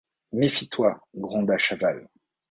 Méfie-toi, gronda Chaval.